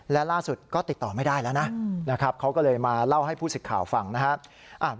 และล่าสุดก็ติดต่อไม่ได้แล้วนะนะครับเขาก็เลยมาเล่าให้ผู้สิทธิ์ข่าวฟังนะครับ